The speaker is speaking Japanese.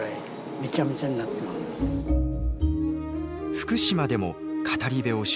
福島でも語り部を取材。